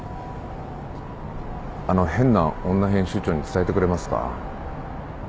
あの変な女編集長に伝えてくれますか？